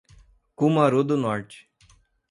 Cumaru do Norte